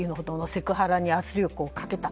セクハラに圧力をかけた。